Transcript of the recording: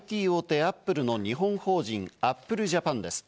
アップルの日本法人、アップルジャパンです。